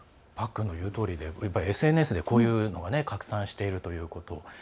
パックンの言うとおりでＳＮＳでこういうのが拡散しているということ。